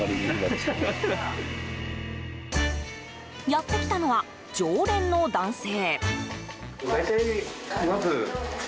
やってきたのは、常連の男性。